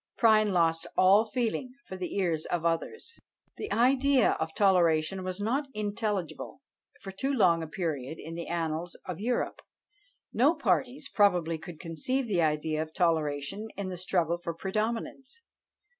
Prynne lost all feeling for the ears of others! The idea of toleration was not intelligible for too long a period in the annals of Europe: no parties probably could conceive the idea of toleration in the struggle for predominance.